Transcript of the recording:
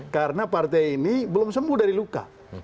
karena partai ini belum sembuh dari luka